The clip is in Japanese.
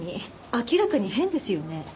明らかに変ですよね。